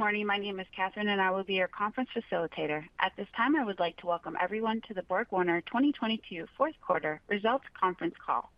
Good morning. My name is Catherine, and I will be your conference facilitator. At this time, I would like to welcome everyone to the BorgWarner 2022 fourth quarter results conference call.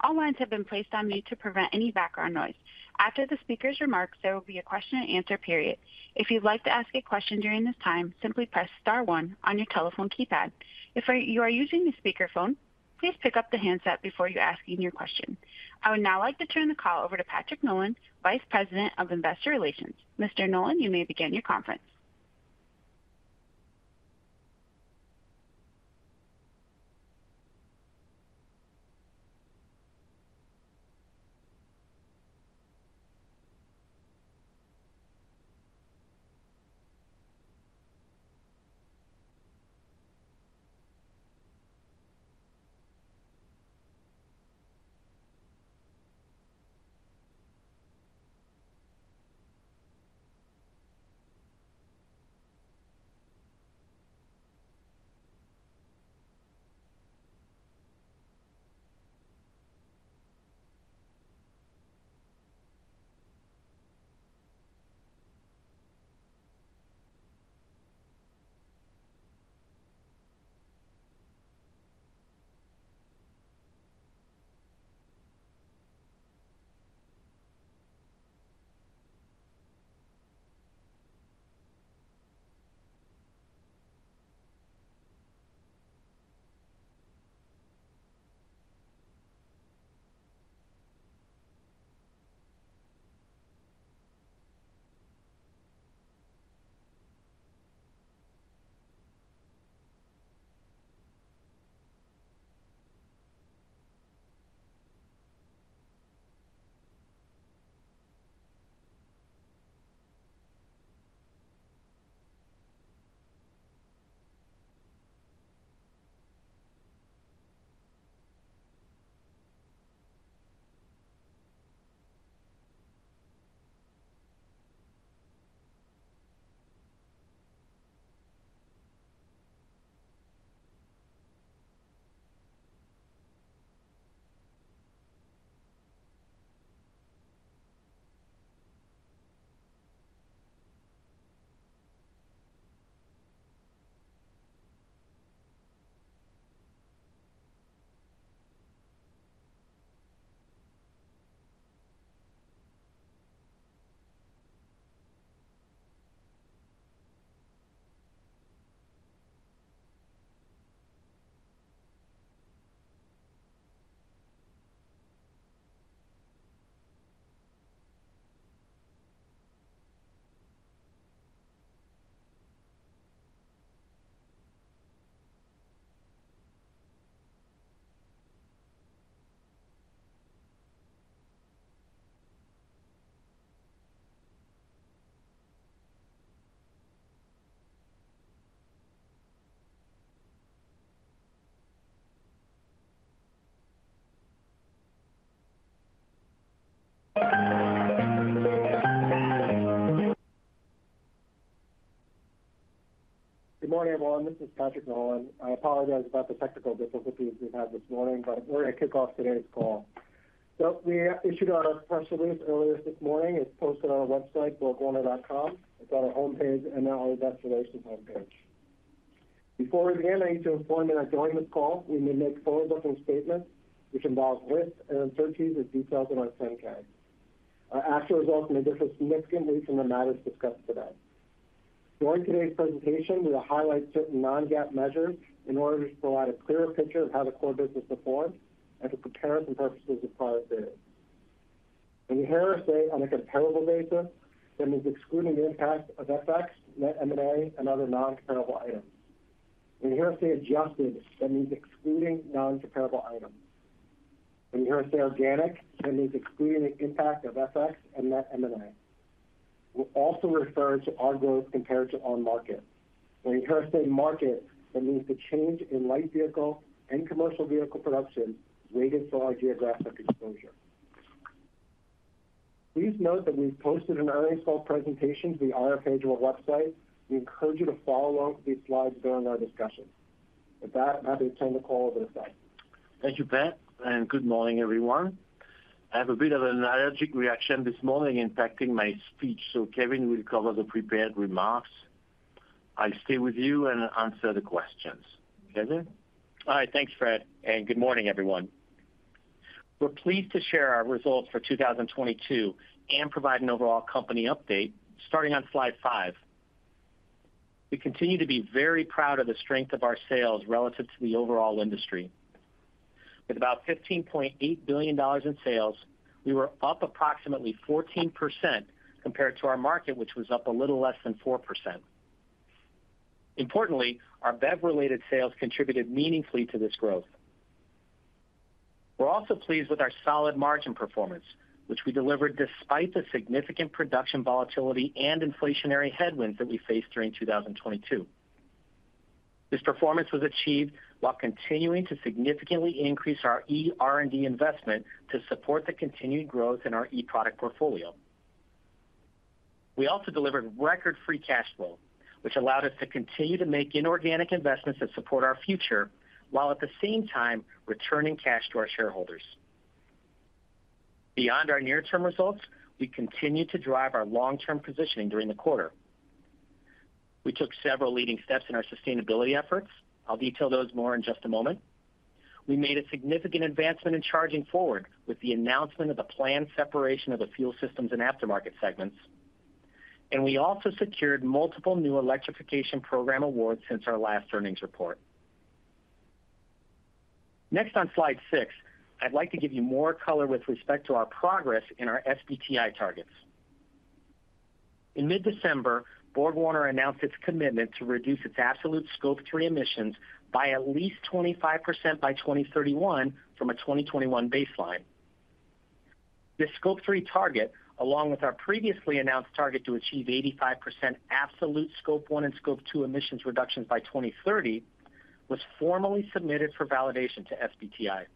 All lines have been placed on mute to prevent any background noise. After the speaker's remarks, there will be a question and answer period. If you'd like to ask a question during this time, simply press star one on your telephone keypad. If you are using a speakerphone, please pick up the handset before you ask in your question. I would now like to turn the call over to Patrick Nolan, Vice President of Investor Relations. Mr. Nolan, you may begin your conference. Good morning, everyone. This is Patrick Nolan. I apologize about the technical difficulties we've had this morning, we're gonna kick off today's call. We issued our press release earlier this morning. It's posted on our website, borgwarner.com. It's on our homepage and on our investor relations homepage. Before we begin, I need to inform you that during this call, we may make forward-looking statements which involve risks and uncertainties as detailed in our 10-K. Our actual results may differ significantly from the matters discussed today. During today's presentation, we will highlight certain non-GAAP measures in order to provide a clearer picture of how the core business performed and to prepare it for purposes of prior periods. When you hear us say, "On a comparable basis," that means excluding the impact of FX, net M&A, and other non-comparable items. When you hear us say, "Adjusted," that means excluding non-comparable items. When you hear us say, "Organic," that means excluding the impact of FX and net M&A. We'll also refer to our growth compared to our market. When you hear us say, "Market," that means the change in light vehicle and commercial vehicle production weighted for our geographic exposure. Please note that we've posted an earnings call presentation to the IR page of our website. We encourage you to follow these slides during our discussion. Happy to turn the call over to Fred. Thank you, Pat. Good morning, everyone. I have a bit of an allergic reaction this morning impacting my speech. Kevin will cover the prepared remarks. I'll stay with you and answer the questions. Kevin? All right. Thanks, Fred. Good morning, everyone. We're pleased to share our results for 2022 and provide an overall company update starting on slide five. We continue to be very proud of the strength of our sales relative to the overall industry. With about $15.8 billion in sales, we were up approximately 14% compared to our market, which was up a little less than 4%. Importantly, our BEV-related sales contributed meaningfully to this growth. We're also pleased with our solid margin performance, which we delivered despite the significant production volatility and inflationary headwinds that we faced during 2022. This performance was achieved while continuing to significantly increase our E R&D investment to support the continued growth in our E product portfolio. We also delivered record free cash flow, which allowed us to continue to make inorganic investments that support our future while at the same time returning cash to our shareholders. Beyond our near-term results, we continue to drive our long-term positioning during the quarter. We took several leading steps in our sustainability efforts. I'll detail those more in just a moment. We made a significant advancement in Charging Forward with the announcement of the planned separation of the fuel systems and aftermarket segments. We also secured multiple new electrification program awards since our last earnings report. Next on slide six, I'd like to give you more color with respect to our progress in our SBTI targets. In mid-December, BorgWarner announced its commitment to reduce its absolute Scope 3 emissions by at least 25% by 2031 from a 2021 baseline. This Scope 3 target, along with our previously announced target to achieve 85% absolute Scope one and Scope two emissions reductions by 2030, was formally submitted for validation to SBTI.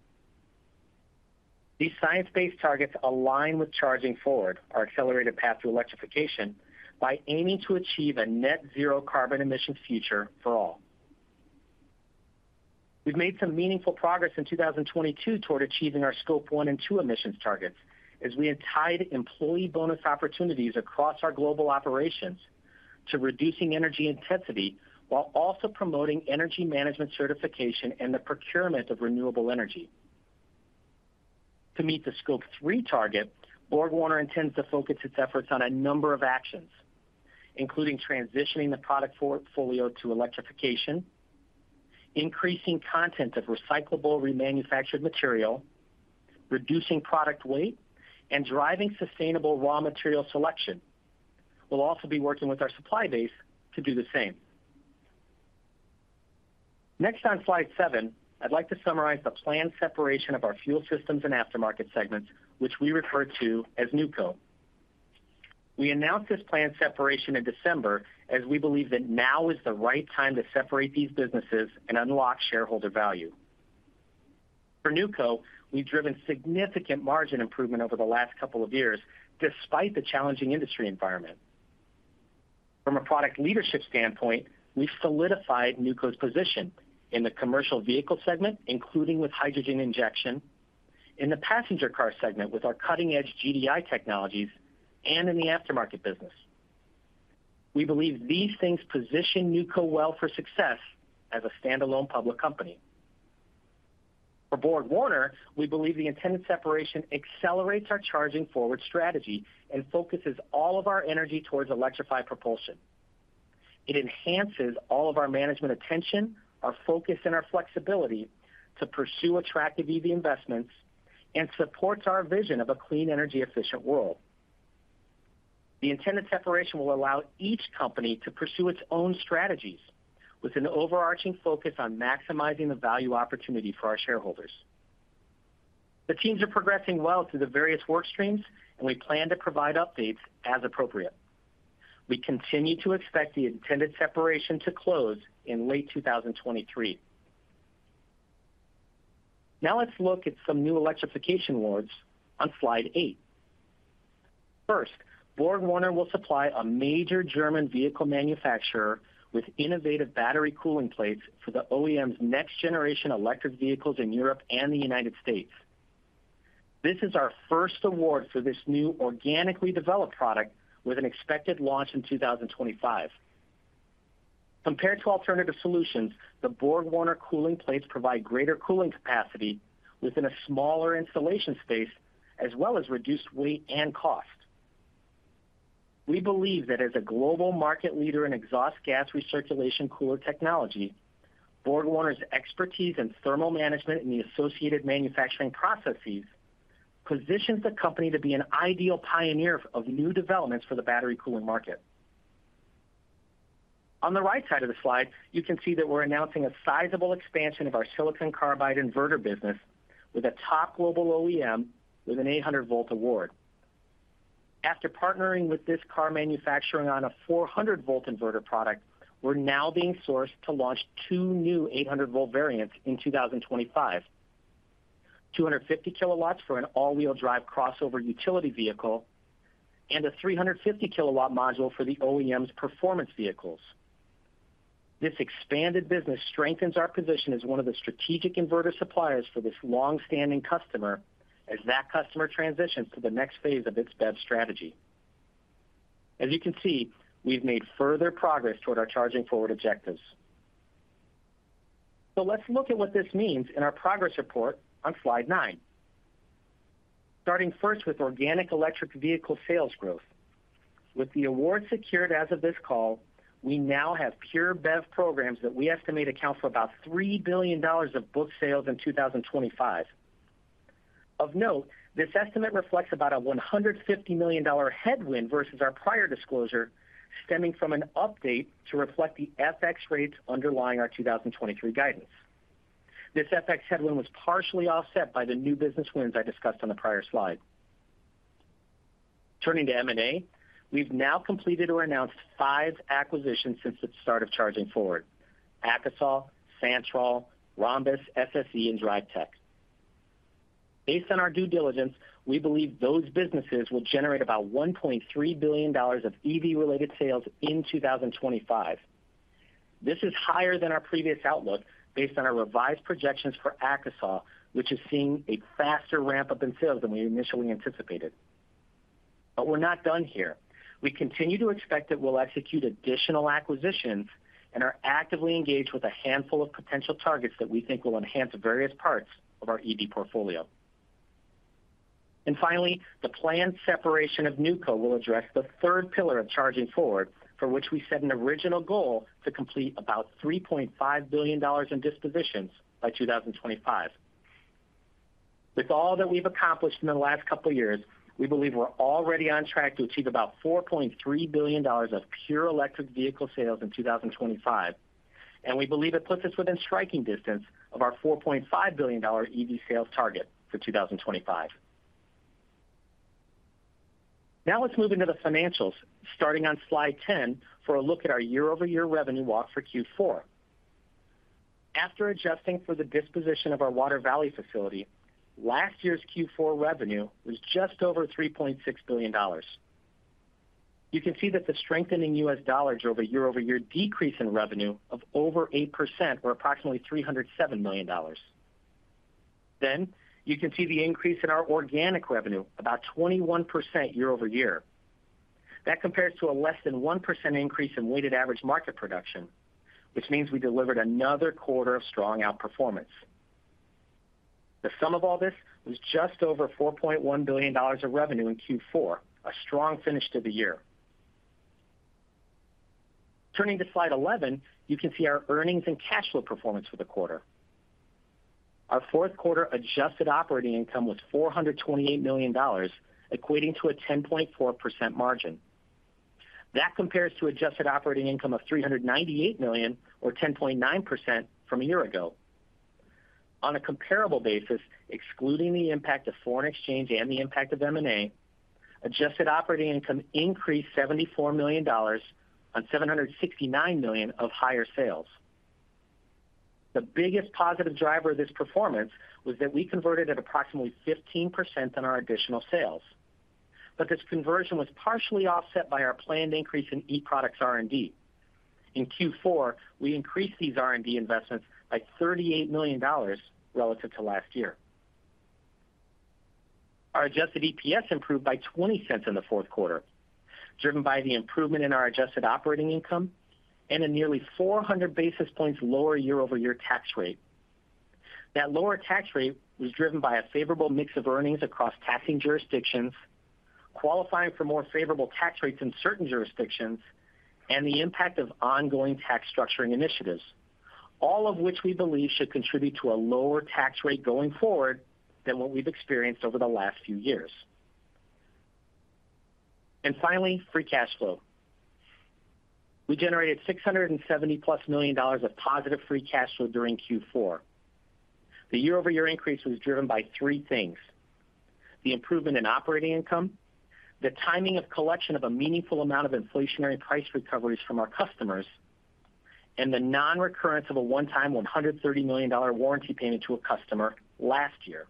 These science-based targets align with Charging Forward our accelerated path to electrification by aiming to achieve a net zero carbon emissions future for all. We've made some meaningful progress in 2022 toward achieving our Scope one and Scope two emissions targets as we have tied employee bonus opportunities across our global operations to reducing energy intensity while also promoting energy management certification and the procurement of renewable energy. To meet the Scope 3 target, BorgWarner intends to focus its efforts on a number of actions, including transitioning the product portfolio to electrification, increasing content of recyclable remanufactured material, reducing product weight, and driving sustainable raw material selection. We'll also be working with our supply base to do the same. Next on slide seven, I'd like to summarize the planned separation of our fuel systems and aftermarket segments, which we refer to as NewCo. We announced this planned separation in December as we believe that now is the right time to separate these businesses and unlock shareholder value. For NewCo, we've driven significant margin improvement over the last couple of years, despite the challenging industry environment. From a product leadership standpoint, we've solidified NewCo's position in the commercial vehicle segment, including with hydrogen injection, in the passenger car segment with our cutting-edge GDI technologies, and in the aftermarket business. We believe these things position NewCo well for success as a standalone public company. For BorgWarner, we believe the intended separation accelerates our Charging Forward strategy and focuses all of our energy towards electrified propulsion. It enhances all of our management attention, our focus, and our flexibility to pursue attractive EV investments and supports our vision of a clean energy efficient world. The intended separation will allow each company to pursue its own strategies with an overarching focus on maximizing the value opportunity for our shareholders. The teams are progressing well through the various work streams. We plan to provide updates as appropriate. We continue to expect the intended separation to close in late 2023. Let's look at some new electrification awards on slide eight. BorgWarner will supply a major German vehicle manufacturer with innovative battery cooling plates for the OEM's next generation electric vehicles in Europe and the United States. This is our first award for this new organically developed product with an expected launch in 2025. Compared to alternative solutions, the BorgWarner cooling plates provide greater cooling capacity within a smaller installation space, as well as reduced weight and cost. We believe that as a global market leader in exhaust gas recirculation cooler technology, BorgWarner's expertise in thermal management and the associated manufacturing processes positions the company to be an ideal pioneer of new developments for the battery cooling market. On the right side of the slide, you can see that we're announcing a sizable expansion of our Silicon Carbide Inverter business with a top global OEM with an 800 volt award. After partnering with this car manufacturing on a 400 volt inverter product, we're now being sourced to launch two new 800 volt variants in 2025. 250 kilowatts for an all-wheel drive crossover utility vehicle and a 350 kilowatt module for the OEM's performance vehicles. This expanded business strengthens our position as one of the strategic inverter suppliers for this long-standing customer as that customer transitions to the next phase of its BEV strategy. As you can see, we've made further progress toward our Charging Forward objectives. Let's look at what this means in our progress report on slide nine. Starting first with organic electric vehicle sales growth. With the award secured as of this call, we now have pure BEV programs that we estimate account for about $3 billion of book sales in 2025. Of note, this estimate reflects about a $150 million headwind versus our prior disclosure stemming from an update to reflect the FX rates underlying our 2023 guidance. This FX headwind was partially offset by the new business wins I discussed on the prior slide. Turning to M&A, we've now completed or announced five acquisitions since the start of Charging Forward, AKASOL, Santroll, Rhombus, SSE, and Drivetek. Based on our due diligence, we believe those businesses will generate about $1.3 billion of EV-related sales in 2025. This is higher than our previous outlook based on our revised projections for AKASOL, which is seeing a faster ramp-up in sales than we initially anticipated. We're not done here. We continue to expect that we'll execute additional acquisitions and are actively engaged with a handful of potential targets that we think will enhance various parts of our EV portfolio. Finally, the planned separation of NewCo will address the third pillar of Charging Forward, for which we set an original goal to complete about $3.5 billion in dispositions by 2025. With all that we've accomplished in the last couple years, we believe we're already on track to achieve about $4.3 billion of pure electric vehicle sales in 2025, and we believe it puts us within striking distance of our $4.5 billion EV sales target for 2025. Let's move into the financials, starting on slide 10 for a look at our year-over-year revenue walk for Q4. After adjusting for the disposition of our Water Valley facility, last year's Q4 revenue was just over $3.6 billion. You can see that the strengthening US dollar drove a year-over-year decrease in revenue of over 8% or approximately $307 million. You can see the increase in our organic revenue, about 21% year-over-year. That compares to a less than 1% increase in weighted average market production, which means we delivered another quarter of strong outperformance. The sum of all this was just over $4.1 billion of revenue in Q4, a strong finish to the year. Turning to slide 11, you can see our earnings and cash flow performance for the quarter. Our fourth quarter adjusted operating income was $428 million, equating to a 10.4% margin. That compares to adjusted operating income of $398 million or 10.9% from a year ago. On a comparable basis, excluding the impact of foreign exchange and the impact of M&A, adjusted operating income increased $74 million on $769 million of higher sales. The biggest positive driver of this performance was that we converted at approximately 15% on our additional sales. This conversion was partially offset by our planned increase in e-products R&D. In Q4, we increased these R&D investments by $38 million relative to last year. Our adjusted EPS improved by $0.20 in the fourth quarter, driven by the improvement in our adjusted operating income and a nearly 400 basis points lower year-over-year tax rate. That lower tax rate was driven by a favorable mix of earnings across taxing jurisdictions, qualifying for more favorable tax rates in certain jurisdictions, and the impact of ongoing tax structuring initiatives, all of which we believe should contribute to a lower tax rate going forward than what we've experienced over the last few years. Finally, free cash flow. We generated $670+ million of positive free cash flow during Q4. The year-over-year increase was driven by three things: the improvement in operating income, the timing of collection of a meaningful amount of inflationary price recoveries from our customers, and the non-recurrence of a one-time $130 million warranty payment to a customer last year.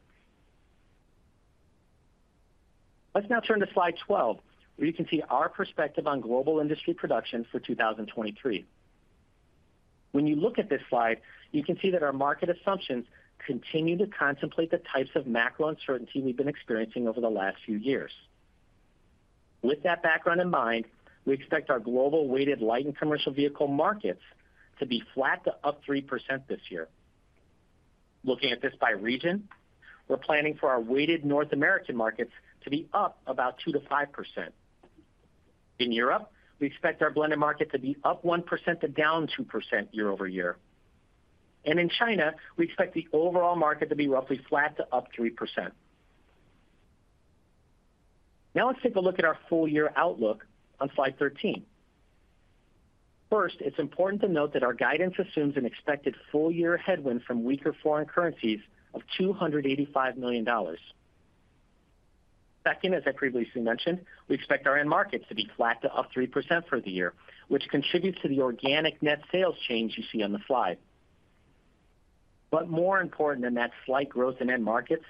Let's now turn to slide 12, where you can see our perspective on global industry production for 2023. When you look at this slide, you can see that our market assumptions continue to contemplate the types of macro uncertainty we've been experiencing over the last few years. With that background in mind, we expect our global weighted light and commercial vehicle markets to be flat to up 3% this year. Looking at this by region, we're planning for our weighted North American markets to be up about 2%-5%. In Europe, we expect our blended market to be up 1% to down 2% year-over-year. In China, we expect the overall market to be roughly flat to up 3%. Now let's take a look at our full year outlook on slide 13. First, it's important to note that our guidance assumes an expected full year headwind from weaker foreign currencies of $285 million. Second, as I previously mentioned, we expect our end markets to be flat to up 3% for the year, which contributes to the organic net sales change you see on the slide. More important than that slight growth in end markets,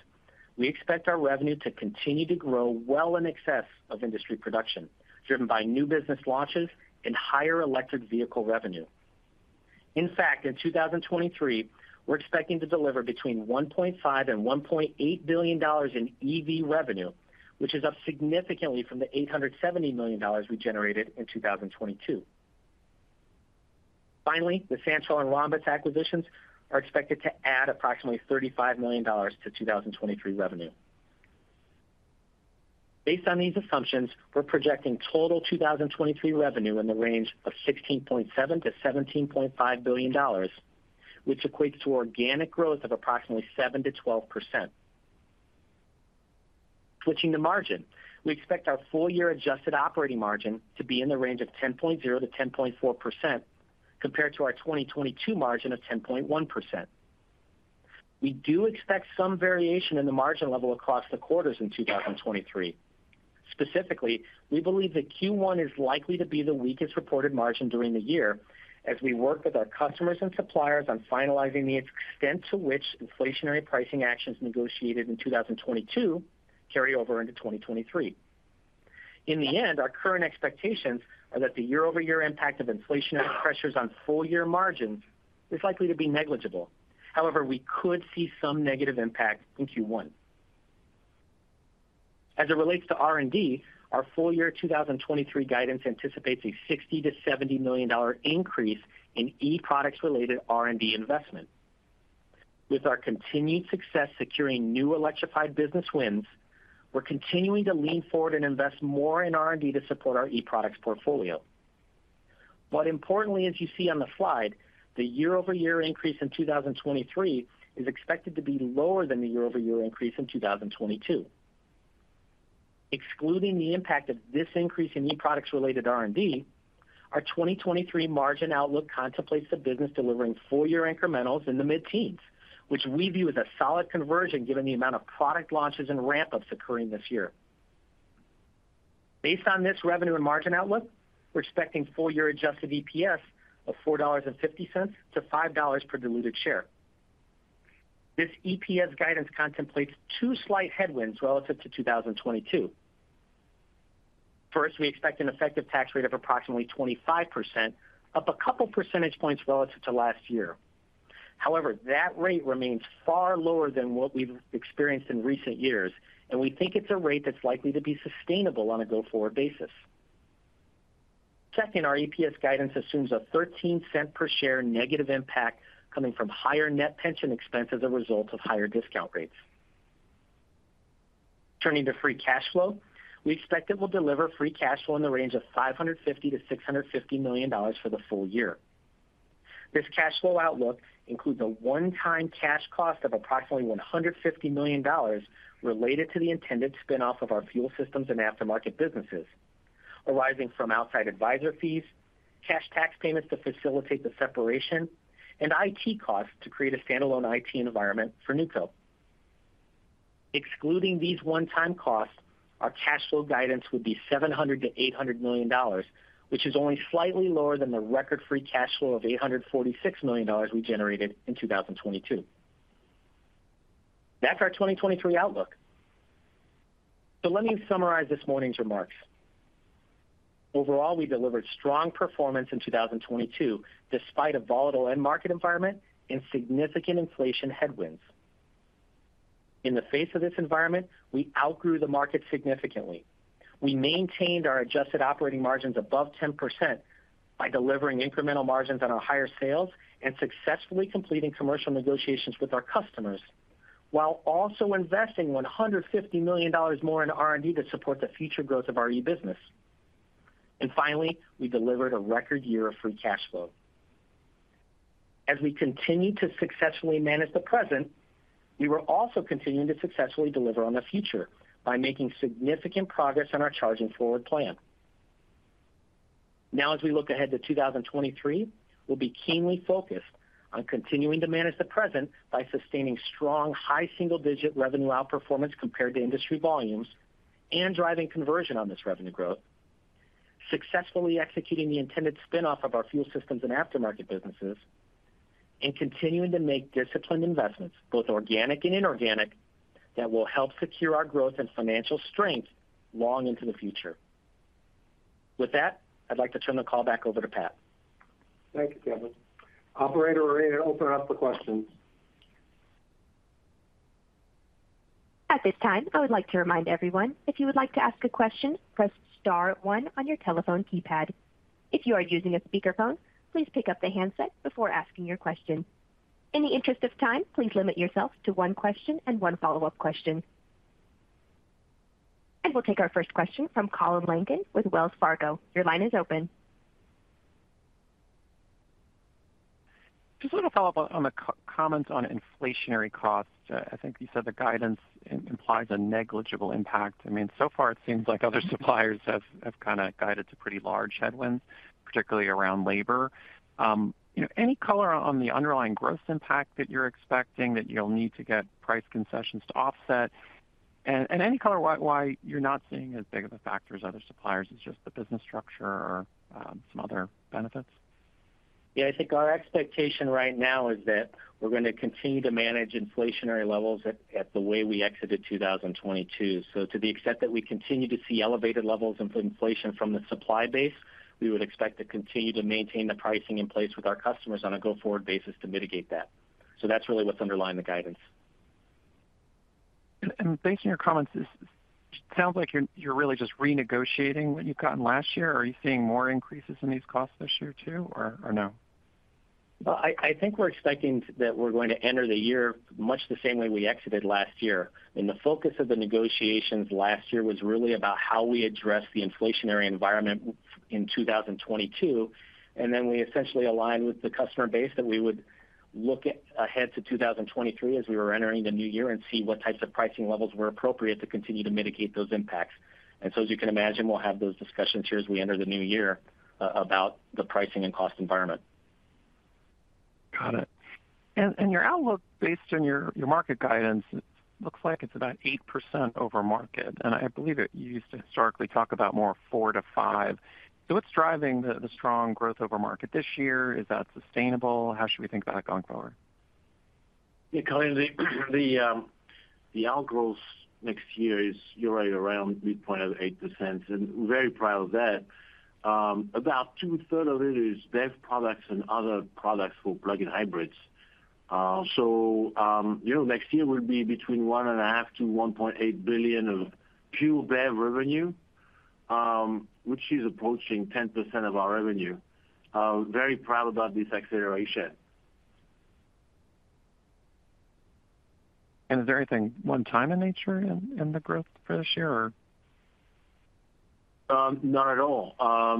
we expect our revenue to continue to grow well in excess of industry production, driven by new business launches and higher electric vehicle revenue. In fact, in 2023, we're expecting to deliver between $1.5 billion and $1.8 billion in EV revenue, which is up significantly from the $870 million we generated in 2022. Finally, the Santroll and Rhombus acquisitions are expected to add approximately $35 million to 2023 revenue. Based on these assumptions, we're projecting total 2023 revenue in the range of $16.7 billion-$17.5 billion, which equates to organic growth of approximately 7%-12%. Switching to margin, we expect our full year adjusted operating margin to be in the range of 10.0%-10.4% compared to our 2022 margin of 10.1%. We do expect some variation in the margin level across the quarters in 2023. Specifically, we believe that Q1 is likely to be the weakest reported margin during the year as we work with our customers and suppliers on finalizing the extent to which inflationary pricing actions negotiated in 2022 carry over into 2023. Our current expectations are that the year-over-year impact of inflationary pressures on full-year margins is likely to be negligible. We could see some negative impact in Q1. As it relates to R&D, our full-year 2023 guidance anticipates a $60 million-$70 million increase in e-products related R&D investment. With our continued success securing new electrified business wins, we're continuing to lean forward and invest more in E R&D to support our e-products portfolio. Importantly, as you see on the slide, the year-over-year increase in 2023 is expected to be lower than the year-over-year increase in 2022. Excluding the impact of this increase in e-products related E R&D, our 2023 margin outlook contemplates the business delivering full year incrementals in the mid-teens, which we view as a solid conversion given the amount of product launches and ramp-ups occurring this year. Based on this revenue and margin outlook, we're expecting full year adjusted EPS of $4.50-$5.00 per diluted share. This EPS guidance contemplates two slight headwinds relative to 2022. First, we expect an effective tax rate of approximately 25%, up a couple percentage points relative to last year. That rate remains far lower than what we've experienced in recent years, and we think it's a rate that's likely to be sustainable on a go-forward basis. Second, our EPS guidance assumes a $0.13 per share negative impact coming from higher net pension expense as a result of higher discount rates. Turning to free cash flow, we expect it will deliver free cash flow in the range of $550 million-$650 million for the full year. This cash flow outlook includes a one-time cash cost of approximately $150 million related to the intended spin-off of our Fuel Systems and Aftermarket businesses, arising from outside advisor fees, cash tax payments to facilitate the separation, and IT costs to create a standalone IT environment for NewCo. Excluding these one-time costs, our cash flow guidance would be $700 million-$800 million, which is only slightly lower than the record free cash flow of $846 million we generated in 2022. That's our 2023 outlook. Let me summarize this morning's remarks. Overall, we delivered strong performance in 2022, despite a volatile end market environment and significant inflation headwinds. In the face of this environment, we outgrew the market significantly. We maintained our adjusted operating margins above 10% by delivering incremental margins on our higher sales and successfully completing commercial negotiations with our customers, while also investing $150 million more in R&D to support the future growth of our e-business. Finally, we delivered a record year of free cash flow. As we continue to successfully manage the present, we will also continue to successfully deliver on the future by making significant progress on our Charging Forward plan. As we look ahead to 2023, we'll be keenly focused on continuing to manage the present by sustaining strong high single-digit revenue outperformance compared to industry volumes and driving conversion on this revenue growth, successfully executing the intended spin-off of our fuel systems and aftermarket businesses, and continuing to make disciplined investments, both organic and inorganic, that will help secure our growth and financial strength long into the future. With that, I'd like to turn the call back over to Pat. Thank you, Kevin. Operator, we're ready to open up for questions. At this time, I would like to remind everyone, if you would like to ask a question, press star one on your telephone keypad. If you are using a speakerphone, please pick up the handset before asking your question. In the interest of time, please limit yourself to one question and one follow-up question. We'll take our first question from Colin Langan with Wells Fargo. Your line is open. Just a little follow-up on the co-comments on inflationary costs. I think you said the guidance implies a negligible impact. I mean, so far it seems like other suppliers have kind of guided to pretty large headwinds, particularly around labor. You know, any color on the underlying gross impact that you're expecting that you'll need to get price concessions to offset? Any color why you're not seeing as big of a factor as other suppliers is just the business structure or some other benefits? Yeah, I think our expectation right now is that we're gonna continue to manage inflationary levels at the way we exited 2022. To the extent that we continue to see elevated levels of inflation from the supply base, we would expect to continue to maintain the pricing in place with our customers on a go-forward basis to mitigate that. That's really what's underlying the guidance. Based on your comments, it sounds like you're really just renegotiating what you've gotten last year, or are you seeing more increases in these costs this year too, or no? Well, I think we're expecting that we're going to enter the year much the same way we exited last year. The focus of the negotiations last year was really about how we address the inflationary environment in 2022. Then we essentially aligned with the customer base that we would look at ahead to 2023 as we were entering the new year and see what types of pricing levels were appropriate to continue to mitigate those impacts. So as you can imagine, we'll have those discussions here as we enter the new year about the pricing and cost environment. Got it. Your outlook based on your market guidance looks like it's about 8% over market, and I believe that you used to historically talk about more 4%-5%. What's driving the strong growth over market this year? Is that sustainable? How should we think about it going forward? Yeah, Colin, the outgrowths next year is you're right around mid point of 8%, and very proud of that. About two-third of it is BEV products and other products for plug-in hybrids. You know, next year will be between one and a half to $1.8 billion of pure BEV revenue, which is approaching 10% of our revenue. Very proud about this acceleration. Is there anything one time in nature in the growth for this year or? not at all.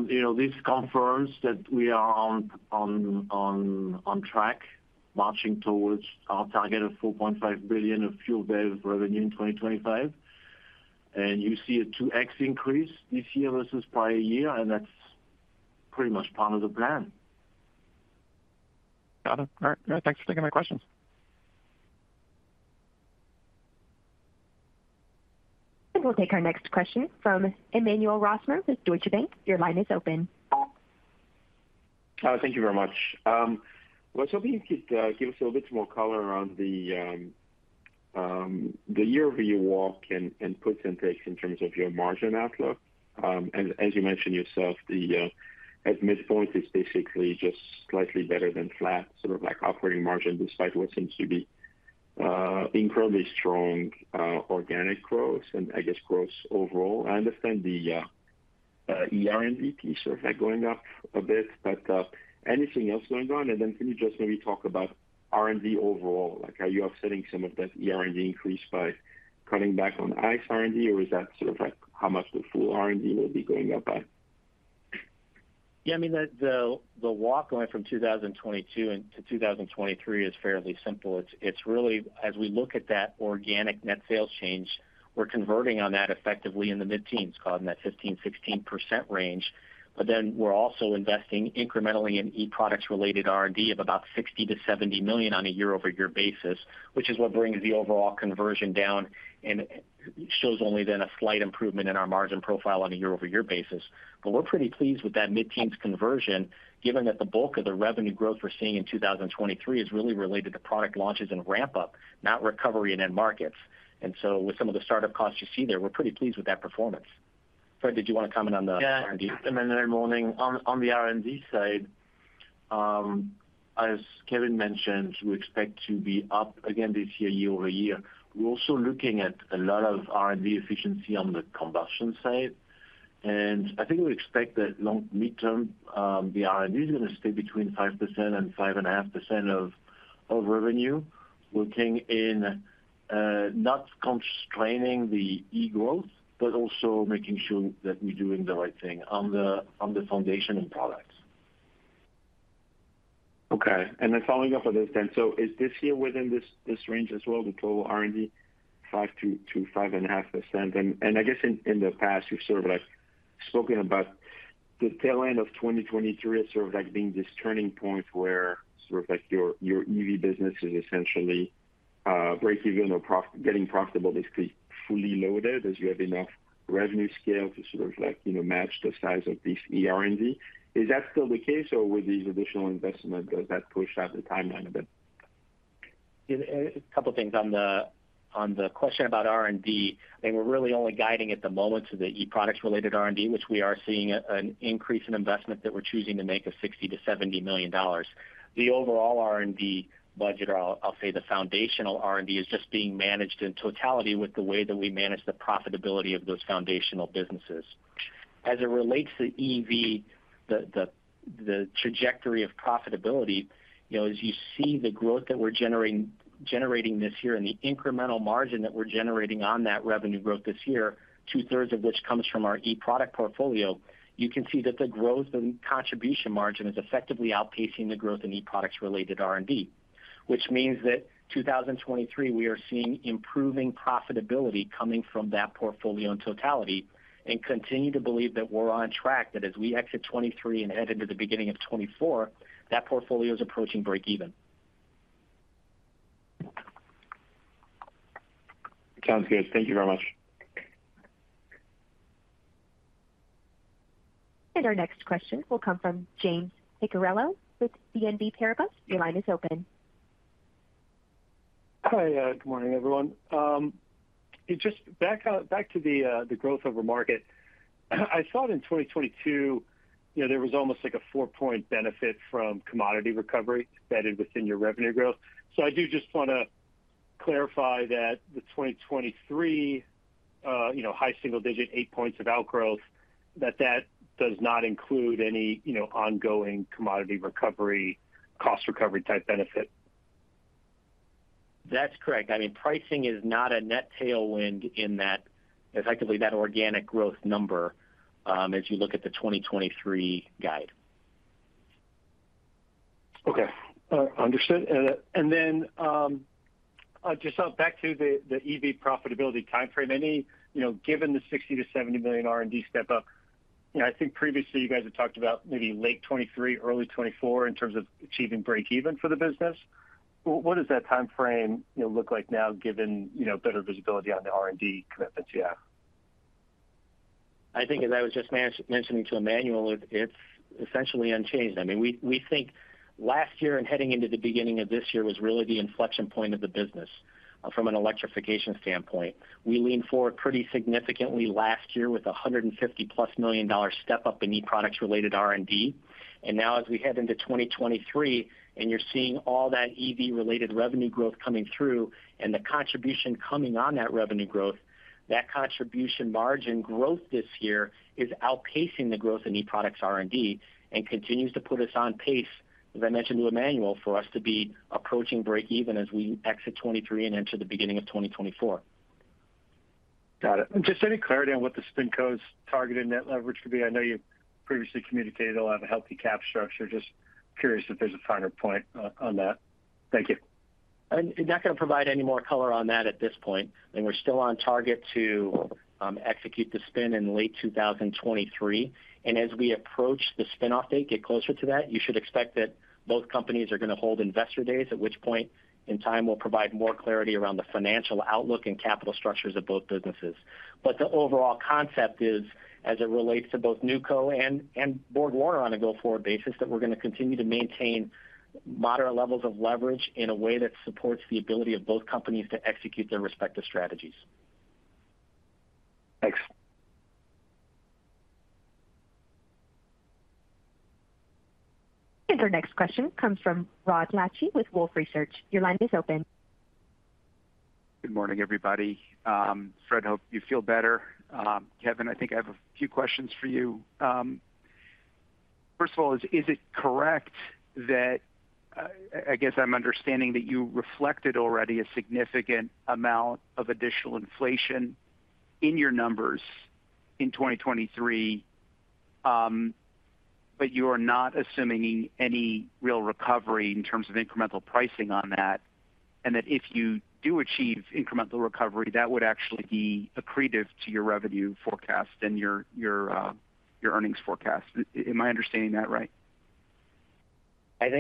you know, this confirms that we are on track marching towards our target of $4.5 billion of fuel BEV revenue in 2025. you see a 2x increase this year versus prior year, and that's pretty much part of the plan. Got it. All right. Yeah, thanks for taking my questions. We'll take our next question from Emmanuel Rosner with Deutsche Bank. Your line is open. Hi, thank you very much. Was hoping you could give us a little bit more color around the year-over-year walk and puts and takes in terms of your margin outlook. As you mentioned yourself, the at midpoint, it's basically just slightly better than flat, sort of like operating margin despite what seems to be incredibly strong organic growth and I guess growth overall. I understand the E R&D piece of that going up a bit, but anything else going on? Can you just maybe talk about R&D overall? Like, are you offsetting some of that E R&D increase by cutting back on X R&D, or is that sort of like how much the full R&D will be going up by? Yeah, I mean, the walk going from 2022 and to 2023 is fairly simple. It's really as we look at that organic net sales change, we're converting on that effectively in the mid-teens, call it in that 15%, 16% range. Then we're also investing incrementally in e-products related R&D of about $60 million-$70 million on a year-over-year basis, which is what brings the overall conversion down and shows only then a slight improvement in our margin profile on a year-over-year basis. We're pretty pleased with that mid-teens conversion, given that the bulk of the revenue growth we're seeing in 2023 is really related to product launches and ramp-up, not recovery in end markets. So with some of the startup costs you see there, we're pretty pleased with that performance. Fred, did you wanna comment on the R&D? Yeah. Emmanuel, morning. On the R&D side, as Kevin mentioned, we expect to be up again this year-over-year. We're also looking at a lot of R&D efficiency on the combustion side. I think we expect that mid-term, the R&D is gonna stay between 5% and 5.5% of revenue, looking in, not constraining the e-growth, but also making sure that we're doing the right thing on the foundation and products. Following up on this then, is this year within this range as well, the total R&D 5%-5.5%? I guess in the past, you've sort of like spoken about the tail end of 2023 as sort of like being this turning point where sort of like your EV business is essentially breakeven or getting profitable, basically fully loaded as you have enough revenue scale to sort of like, you know, match the size of this E R&D. Is that still the case, or with these additional investment, does that push out the timeline a bit? Yeah, a couple things. On the question about R&D, I mean, we're really only guiding at the moment to the e-products related R&D, which we are seeing an increase in investment that we're choosing to make of $60 million-$70 million. The overall R&D budget, or I'll say the foundational R&D, is just being managed in totality with the way that we manage the profitability of those foundational businesses. As it relates to EV, the trajectory of profitability, you know, as you see the growth that we're generating this year and the incremental margin that we're generating on that revenue growth this year, two-thirds of which comes from our e-product portfolio, you can see that the growth and contribution margin is effectively outpacing the growth in e-products related R&D. Which means that 2023, we are seeing improving profitability coming from that portfolio in totality and continue to believe that we're on track, that as we exit 2023 and head into the beginning of 2024, that portfolio is approaching breakeven. Sounds good. Thank you very much. Our next question will come from James Picariello with BNP Paribas. Your line is open. Hi. Good morning, everyone. Just back to the growth over market. I saw that in 2022, you know, there was almost like a 4-point benefit from commodity recovery embedded within your revenue growth. I do just wanna clarify that the 2023, you know, high single digit 8 points of outgrowth, that does not include any, you know, ongoing commodity recovery, cost recovery type benefit. That's correct. I mean, pricing is not a net tailwind in that, effectively that organic growth number, as you look at the 2023 guide. Okay. Understood. Just back to the EV profitability timeframe. Any, you know, given the $60 million-$70 million R&D step-up, you know, I think previously you guys had talked about maybe late 2023, early 2024 in terms of achieving breakeven for the business. What does that timeframe, you know, look like now given, you know, better visibility on the R&D commitments you have? I think as I was just mentioning to Emmanuel, it's essentially unchanged. I mean, we think last year and heading into the beginning of this year was really the inflection point of the business from an electrification standpoint. We leaned forward pretty significantly last year with a $150+ million step up in e-products related R&D. Now as we head into 2023, and you're seeing all that EV related revenue growth coming through and the contribution coming on that revenue growth, that contribution margin growth this year is outpacing the growth in e-products R&D and continues to put us on pace, as I mentioned to Emmanuel, for us to be approaching breakeven as we exit 2023 and enter the beginning of 2024. Got it. just any clarity on what the spin co's targeted net leverage could be? I know you previously communicated it'll have a healthy cap structure. Just curious if there's a finer point on that. Thank you. I'm not gonna provide any more color on that at this point, we're still on target to execute the spin in late 2023. As we approach the spin-off date, get closer to that, you should expect that both companies are gonna hold investor days, at which point in time we'll provide more clarity around the financial outlook and capital structures of both businesses. The overall concept is, as it relates to both NewCo and BorgWarner on a go-forward basis, that we're gonna continue to maintain moderate levels of leverage in a way that supports the ability of both companies to execute their respective strategies. Thanks. Our next question comes from Rod Lache with Wolfe Research. Your line is open. Good morning, everybody. Fred, hope you feel better. Kevin, I think I have a few questions for you. First of all, is it correct that I guess I'm understanding that you reflected already a significant amount of additional inflation in your numbers in 2023, but you are not assuming any real recovery in terms of incremental pricing on that, and that if you do achieve incremental recovery, that would actually be accretive to your revenue forecast and your earnings forecast. Am I understanding that right? I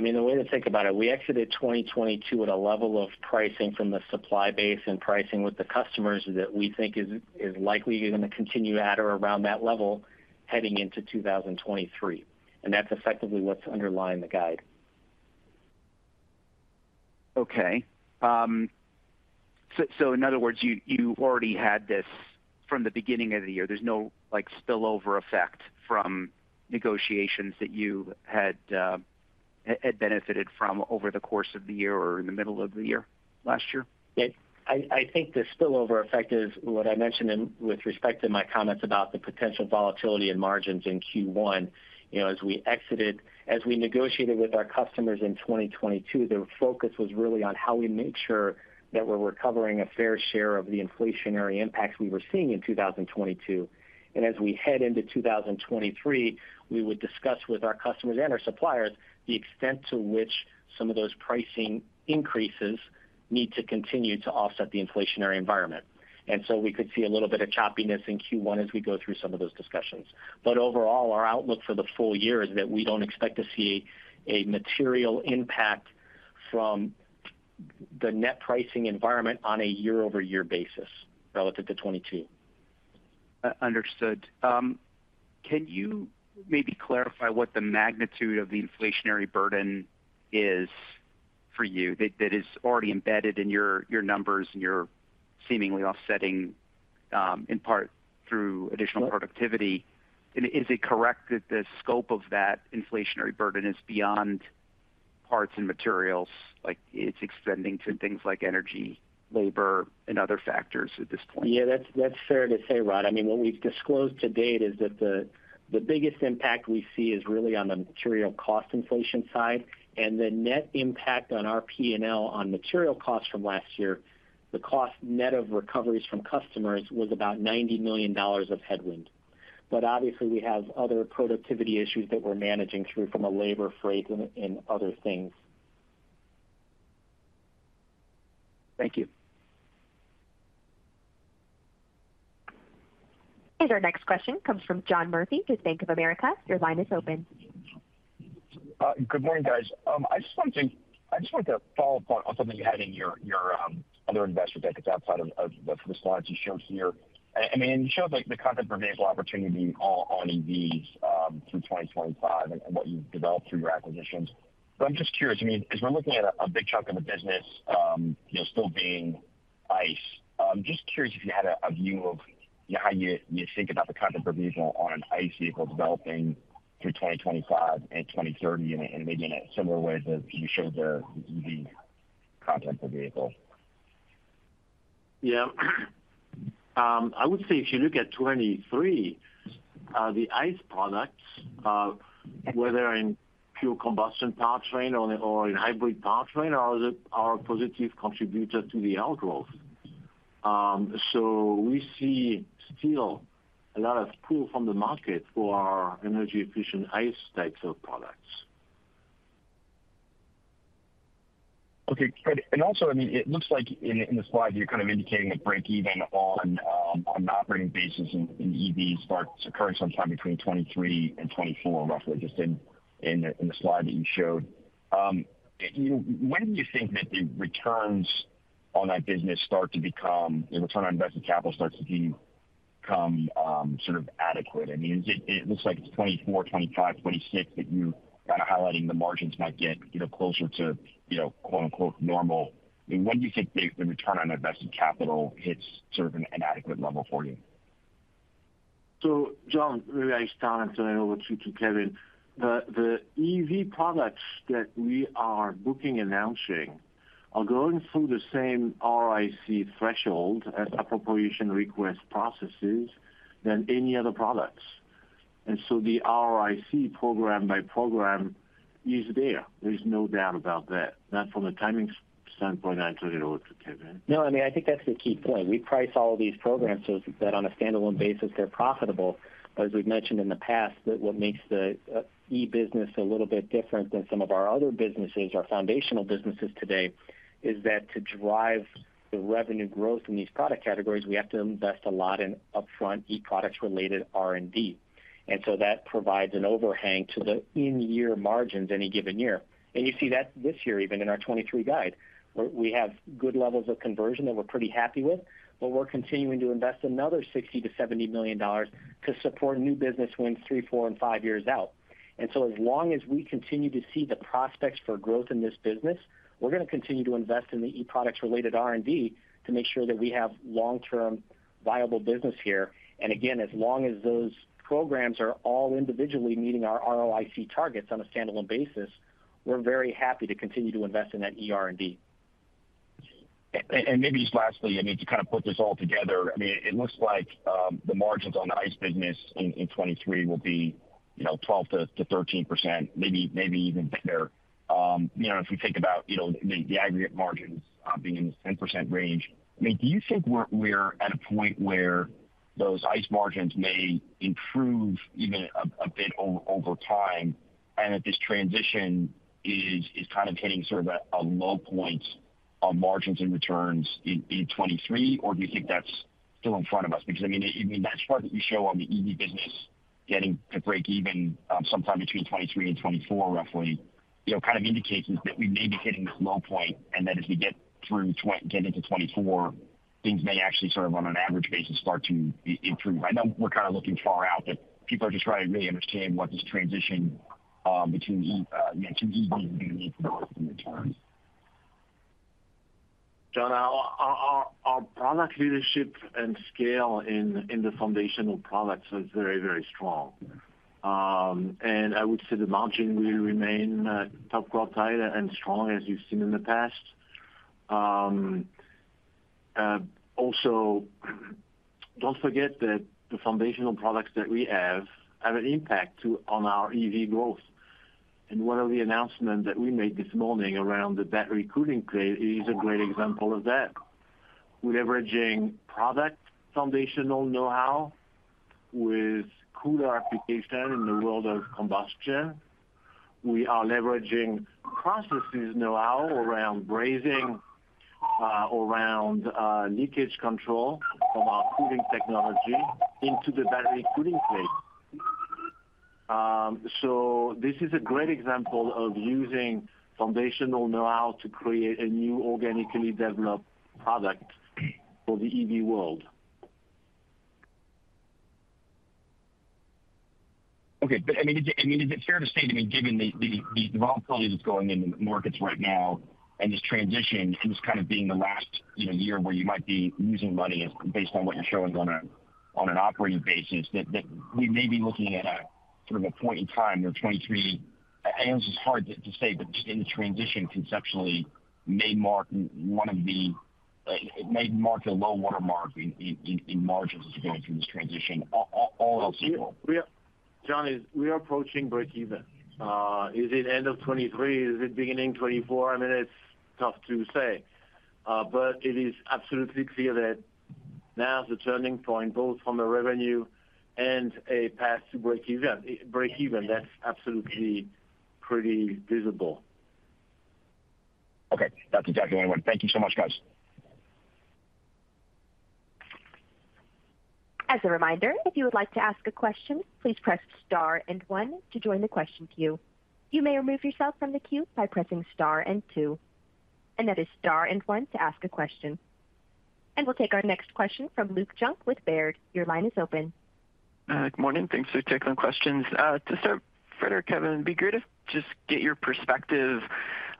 mean, the way to think about it, we exited 2022 at a level of pricing from the supply base and pricing with the customers that we think is likely gonna continue at or around that level heading into 2023. That's effectively what's underlying the guide. Okay. In other words, you already had this from the beginning of the year. There's no, like, spillover effect from negotiations that you had benefited from over the course of the year or in the middle of the year, last year? Yeah. I think the spillover effect is what I mentioned in with respect to my comments about the potential volatility in margins in Q1. You know, as we negotiated with our customers in 2022, their focus was really on how we made sure that we're recovering a fair share of the inflationary impacts we were seeing in 2022. As we head into 2023, we would discuss with our customers and our suppliers the extent to which some of those pricing increases need to continue to offset the inflationary environment. We could see a little bit of choppiness in Q1 as we go through some of those discussions. Overall, our outlook for the full year is that we don't expect to see a material impact from the net pricing environment on a year-over-year basis relative to 2022. Understood. Can you maybe clarify what the magnitude of the inflationary burden is for you that is already embedded in your numbers and you're seemingly offsetting in part through additional productivity? Is it correct that the scope of that inflationary burden is beyond parts and materials, like it's extending to things like energy, labor, and other factors at this point? Yeah, that's fair to say, Rod. I mean, what we've disclosed to date is that the biggest impact we see is really on the material cost inflation side. The net impact on our P&L on material costs from last year, the cost net of recoveries from customers was about $90 million of headwind. Obviously we have other productivity issues that we're managing through from a labor, freight, and other things. Thank you. Our next question comes from John Murphy with Bank of America. Your line is open. Good morning, guys. I just wanted to follow up on something you had in your other investor deck that's outside of the slides you showed here. I mean, you showed, like, the content per vehicle opportunity on EVs, through 2025 and what you've developed through your acquisitions. I'm just curious, I mean, 'cause we're looking at a big chunk of the business, you know, still being ICE. Just curious if you had a view of how you think about the content per vehicle on an ICE vehicle developing through 2025 and 2030 and maybe in a similar way that you showed the EV content per vehicle? Yeah. I would say if you look at 2023, the ICE products, whether in pure combustion powertrain or in hybrid powertrain are a positive contributor to the outgrowth. We see still a lot of pull from the market for our energy efficient ICE types of products. Okay. Also, I mean, it looks like in the slide, you're kind of indicating a break even on an operating basis in EV starts occurring sometime between 2023 and 2024, roughly, just in the slide that you showed. You know, when do you think that the return on invested capital starts to become sort of adequate. I mean, it looks like it's 2024, 2025, 2026 that you're kind of highlighting the margins might get, you know, closer to, you know, quote-unquote, normal. I mean, when do you think the return on invested capital hits sort of an adequate level for you? John, maybe I start and turn it over to Kevin. The EV products that we are booking, announcing are going through the same ROIC threshold as appropriation request processes than any other products. The ROIC program by program is there. There's no doubt about that. From a timing standpoint, I'll turn it over to Kevin. No, I mean, I think that's the key point. We price all of these programs so that on a standalone basis they're profitable. As we've mentioned in the past, that what makes the e-business a little bit different than some of our other businesses, our foundational businesses today, is that to drive the revenue growth in these product categories, we have to invest a lot in upfront e-products related R&D. That provides an overhang to the in-year margins any given year. You see that this year, even in our 2023 guide, where we have good levels of conversion that we're pretty happy with, but we're continuing to invest another $60 million-$70 million to support new business wins three, four and five years out. As long as we continue to see the prospects for growth in this business, we're gonna continue to invest in the e-products related R&D to make sure that we have long-term viable business here. Again, as long as those programs are all individually meeting our ROIC targets on a standalone basis, we're very happy to continue to invest in that e-R&D. Maybe just lastly, I mean, to kind of put this all together, I mean, it looks like the margins on the ICE business in 2023 will be, you know, 12%-13%, maybe even better. You know, if we think about, you know, the aggregate margins being in the 10% range, I mean, do you think we're at a point where those ICE margins may improve even a bit over time, and that this transition is kind of hitting sort of a low point on margins and returns in 2023? Or do you think that's still in front of us? I mean, that chart that you show on the EV business getting to break even, sometime between 2023 and 2024 roughly, you know, kind of indicates that we may be hitting this low point and that as we get into 2024, things may actually sort of on an average basis start to improve. I know we're kind of looking far out, people are just trying to really understand what this transition between EV may mean for margins and returns. John, our product leadership and scale in the foundational products is very strong. I would say the margin will remain top quartile and strong as you've seen in the past. Also don't forget that the foundational products that we have have an impact too on our EV growth. One of the announcements that we made this morning around the battery cooling plate is a great example of that. We're leveraging product foundational know-how with cooler application in the world of combustion. We are leveraging processes know-how around brazing, leakage control from our cooling technology into the battery cooling plate. This is a great example of using foundational know-how to create a new organically developed product for the EV world. Okay. I mean, is it, I mean, is it fair to say, I mean, given the volatility that's going in the markets right now and this transition, this kind of being the last, you know, year where you might be losing money as based on what you're showing on an operating basis, that we may be looking at a sort of a point in time where 2023, I know this is hard to say, but just in the transition conceptually it may mark a low watermark in margins as it relates to this transition all else equal. John, is we are approaching breakeven? Is it end of 2023? Is it beginning 2024? I mean, it's tough to say. It is absolutely clear that now is the turning point, both from a revenue and a path to breakeven. That's absolutely pretty visible. Okay. That's exactly what I want. Thank you so much, guys. As a reminder, if you would like to ask a question, please press star and one to join the question queue. You may remove yourself from the queue by pressing star and two. That is star and one to ask a question. We'll take our next question from Luke Junk with Baird. Your line is open. Good morning. Thanks for taking the questions. To start, Frederic, Kevin, it'd be great if just get your perspective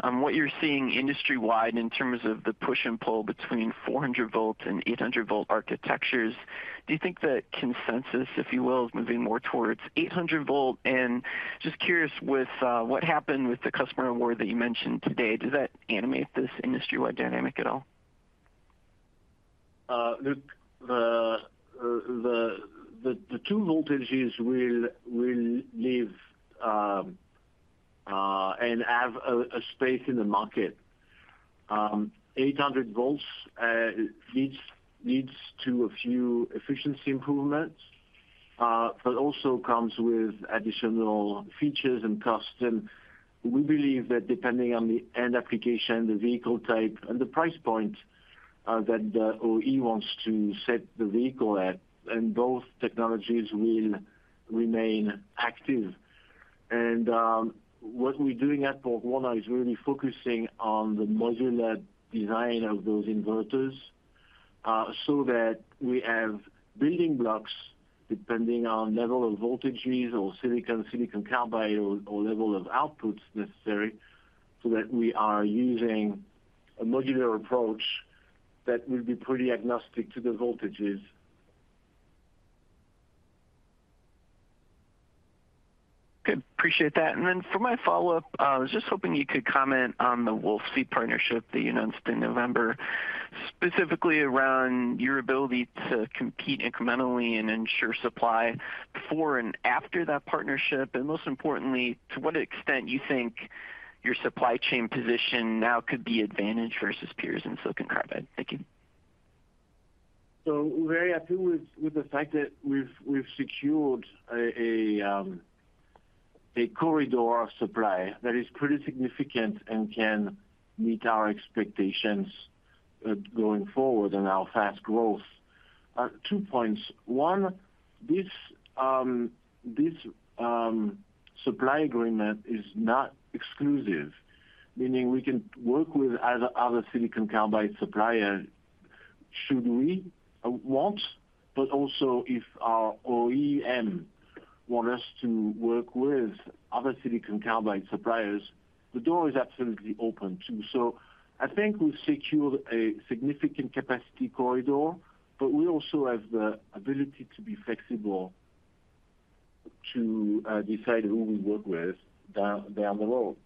on what you're seeing industry-wide in terms of the push and pull between 400 volt and 800 volt architectures. Do you think the consensus, if you will, is moving more towards 800 volt? Just curious with what happened with the customer award that you mentioned today, does that animate this industry-wide dynamic at all? Luke, the two voltages will live and have a space in the market. 800 volts leads to a few efficiency improvements, but also comes with additional features and cost. We believe that depending on the end application, the vehicle type and the price point, that the OE wants to set the vehicle at, and both technologies will remain active. What we're doing at BorgWarner is really focusing on the modular design of those inverters, so that we have building blocks depending on level of voltages or silicon carbide or level of outputs necessary, so that we are using a modular approach that will be pretty agnostic to the voltages. Good. Appreciate that. For my follow-up, I was just hoping you could comment on the Wolfspeed partnership that you announced in November, specifically around your ability to compete incrementally and ensure supply before and after that partnership. Most importantly, to what extent you think your supply chain position now could be advantage versus peers in silicon carbide. Thank you. We're very happy with the fact that we've secured a corridor of supply that is pretty significant and can meet our expectations going forward and our fast growth. Two points. One, this supply agreement is not exclusive, meaning we can work with other silicon carbide supplier should we want, but also if our OEM want us to work with other silicon carbide suppliers, the door is absolutely open, too. I think we've secured a significant capacity corridor, but we also have the ability to be flexible to decide who we work with down the road.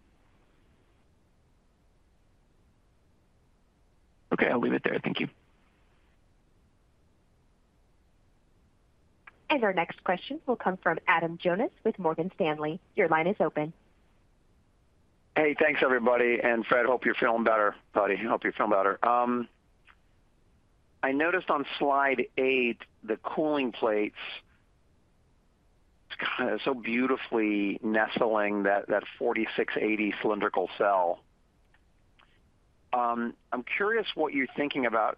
Okay. I'll leave it there. Thank you. Our next question will come from Adam Jonas with Morgan Stanley. Your line is open. Hey, thanks everybody. Fred, hope you're feeling better, buddy. Hope you feel better. I noticed on slide eight the cooling plates kind of so beautifully nestling that 4680 cylindrical cell. I'm curious what you're thinking about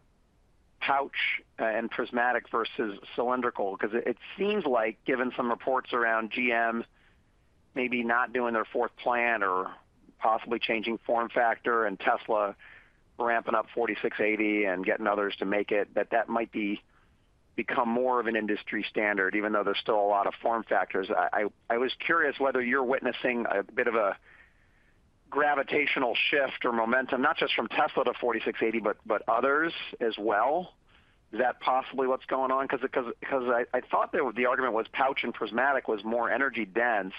pouch and prismatic versus cylindrical because it seems like given some reports around GM maybe not doing their fourth plant or possibly changing form factor and Tesla ramping up 4680 and getting others to make it, that might become more of an industry standard, even though there's still a lot of form factors. I was curious whether you're witnessing a bit of a gravitational shift or momentum, not just from Tesla to 4680, but others as well. Is that possibly what's going on? I thought that the argument was pouch and prismatic was more energy dense,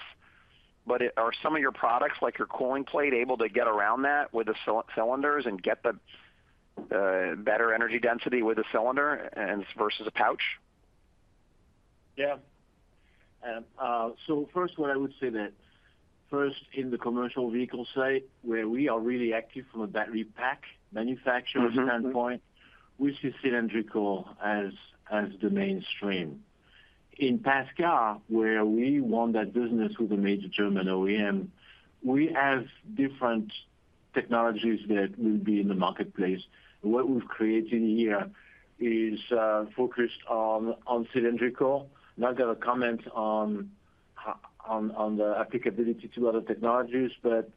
but are some of your products, like your cooling plate, able to get around that with the cylinders and get the better energy density with a cylinder versus a pouch? Yeah. First in the commercial vehicle site where we are really active from a battery pack manufacturer...... standpoint, we see cylindrical as the mainstream. In pass car, where we won that business with a major German OEM, we have different technologies that will be in the marketplace. What we've created here is focused on cylindrical. Not gonna comment on the applicability to other technologies, but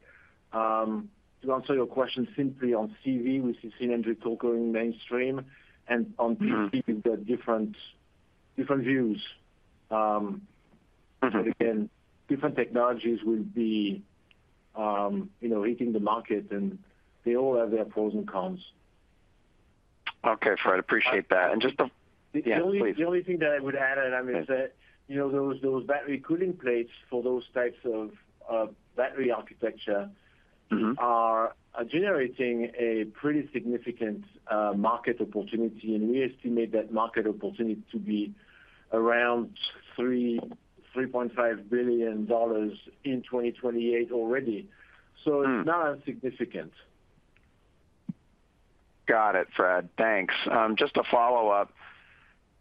to answer your question simply on CV, we see cylindrical going mainstream.... PEV there are different views. again, different technologies will be, you know, hitting the market, and they all have their pros and cons. Okay. Fred, appreciate that. The only- Yeah, please. The only thing that I would add, Adam, is that, you know, those battery cooling plates for those types of battery architecture.... are generating a pretty significant market opportunity, and we estimate that market opportunity to be around $3.5 billion in 2028 already. It's not insignificant. Got it, Fred. Thanks. Just to follow up,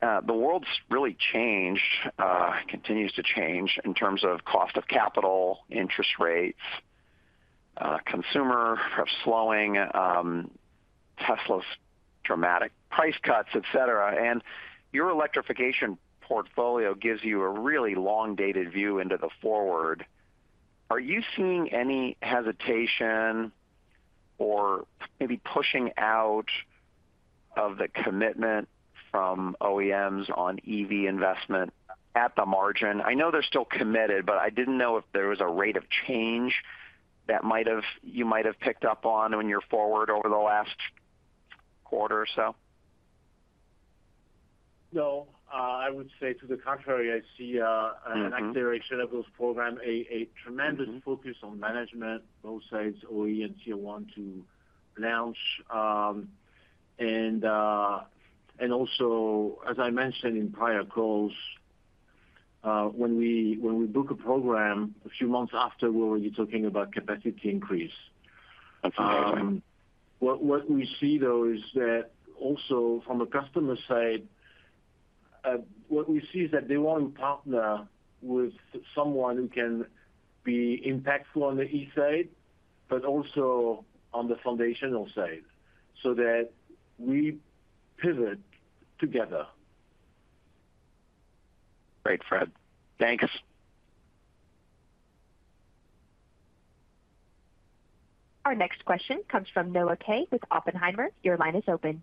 the world's really changed, continues to change in terms of cost of capital, interest rates, consumer slowing, Tesla's dramatic price cuts, et cetera. Your electrification portfolio gives you a really long dated view into the forward. Are you seeing any hesitation or maybe pushing out of the commitment from OEMs on EV investment at the margin? I know they're still committed, but I didn't know if there was a rate of change you might have picked up on when you're forward over the last quarter or so. No. I would say to the contrary, I see,... an acceleration of those program, a tremendous focus on management, both sides, OEM and tier one, to launch. Also as I mentioned in prior calls, when we book a program, a few months after we're already talking about capacity increase. Okay. What we see, though, is that also from a customer side, what we see is that they want to partner with someone who can be impactful on the E side but also on the foundational side, so that we pivot together. Great, Fred. Thanks. Our next question comes from Noah Kaye with Oppenheimer. Your line is open.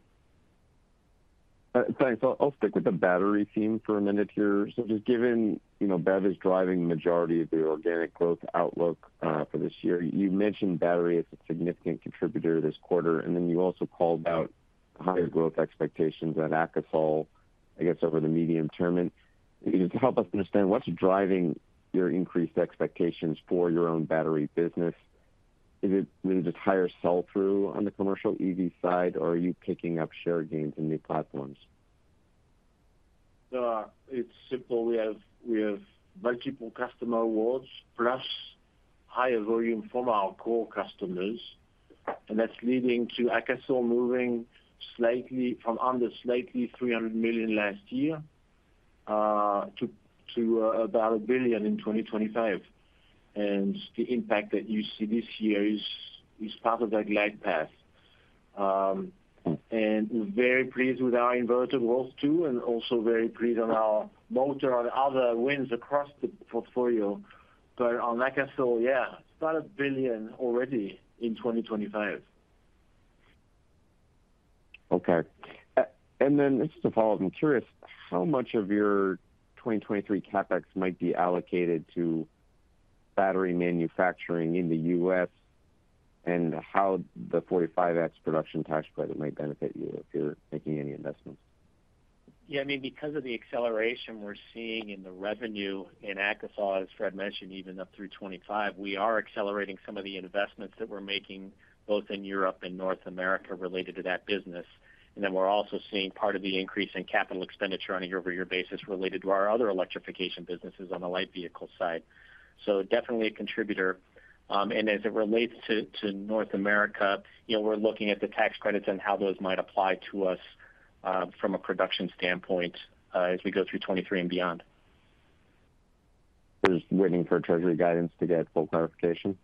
Thanks. I'll stick with the battery theme for a minute here. Just given, you know, BEV is driving the majority of the organic growth outlook for this year. You mentioned battery as a significant contributor this quarter, then you also called out higher growth expectations at AKASOL, I guess, over the medium term. Just help us understand what's driving your increased expectations for your own battery business. Is it just higher sell-through on the commercial EV side, or are you picking up share gains in new platforms? It's simple. We have multiple customer awards plus higher volume from our core customers, and that's leading to Akasol moving slightly from under slightly $300 million last year to about $1 billion in 2025. The impact that you see this year is part of that glide path. Very pleased with our inverter growth, too, and also very pleased on our motor and other wins across the portfolio. On Akasol, yeah, about $1 billion already in 2025. Okay. Just a follow-up. I'm curious how much of your 2023 CapEx might be allocated to battery manufacturing in the U.S. and how the 45X production tax credit might benefit you if you're making any investments. Yeah, I mean, because of the acceleration we're seeing in the revenue in AKASOL, as Fred mentioned, even up through 25, we are accelerating some of the investments that we're making both in Europe and North America related to that business. We're also seeing part of the increase in CapEx on a year-over-year basis related to our other electrification businesses on the light vehicle side. So definitely a contributor. As it relates to North America, you know, we're looking at the tax credits and how those might apply to us from a production standpoint as we go through 23 and beyond. Just waiting for Treasury guidance to get full clarification?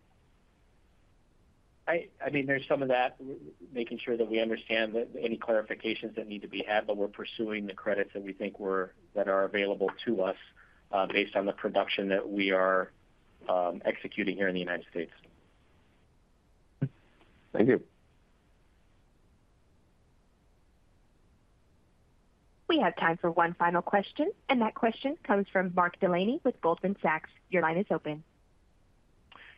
I mean, there's some of that, making sure that we understand that any clarifications that need to be had, but we're pursuing the credits that we think that are available to us, based on the production that we are executing here in the United States. Thank you. We have time for one final question, and that question comes from Mark Delaney with Goldman Sachs. Your line is open.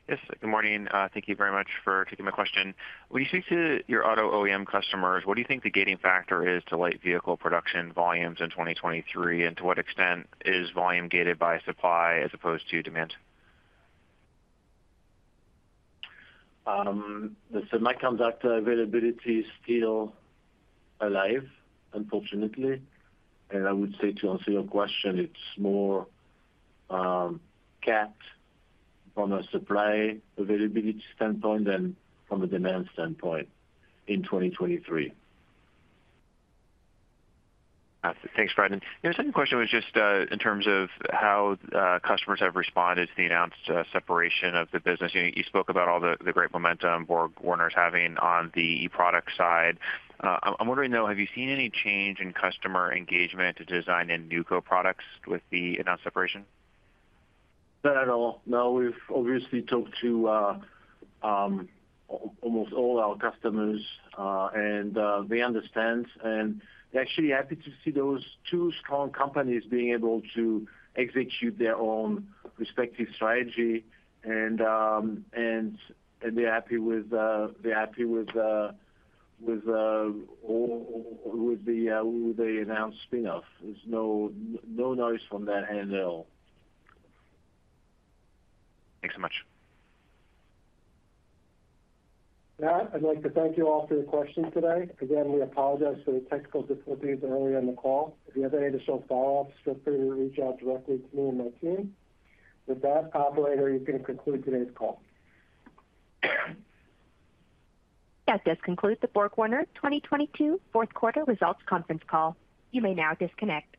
Yes. Good morning. Thank you very much for taking my question. When you speak to your auto OEM customers, what do you think the gating factor is to light vehicle production volumes in 2023? To what extent is volume gated by supply as opposed to demand? The semiconductor availability is still alive, unfortunately. I would say to answer your question, it's more capped from a supply availability standpoint than from a demand standpoint in 2023. Thanks, Fred. The second question was just in terms of how customers have responded to the announced separation of the business. You spoke about all the great momentum BorgWarner's having on the e-product side. I'm wondering, though, have you seen any change in customer engagement to design in NewCo products with the announced separation? Not at all. No, we've obviously talked to, almost all our customers, and they understand, and they're actually happy to see those two strong companies being able to execute their own respective strategy. They're happy with the announced spin-off. There's no noise from that end at all. Thanks so much. I'd like to thank you all for your questions today. We apologize for the technical difficulties earlier in the call. If you have any additional follow-ups, feel free to reach out directly to me and my team. Operator, you can conclude today's call. That does conclude the BorgWarner 2022 fourth quarter results conference call. You may now disconnect.